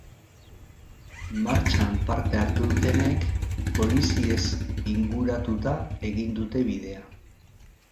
Martxan parte hartu dutenek poliziez inguratuta egin dute bidea.